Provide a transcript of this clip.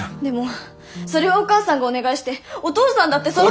でもそれはお母さんがお願いしてお父さんだって。